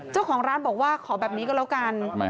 เจ้าของร้านบอกว่าขอแบบนี้ก็แล้วกัน